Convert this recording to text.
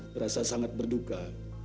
merasa sangat berduka